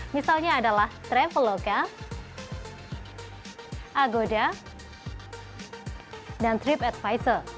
misalnya adalah traveloka agoda dan tripadvisor